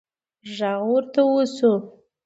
غږ ورته وشو: